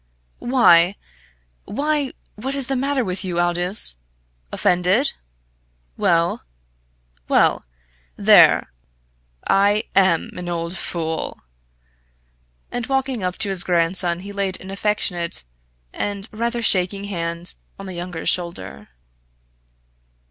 "Why why, what is the matter with you, Aldous? Offended? Well well There I am an old fool!" And, walking up to his grandson, he laid an affectionate and rather shaking hand on the younger's shoulder.